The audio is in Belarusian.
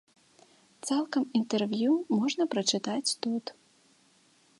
Цалкам інтэрв'ю можна прачытаць тут.